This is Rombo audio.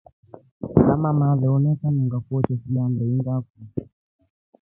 Kulya mama nyawonika nanga kwete shida ya mringa foo.